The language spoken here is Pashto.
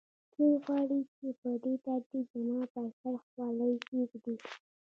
دوی غواړي چې په دې ترتیب زما پر سر خولۍ کېږدي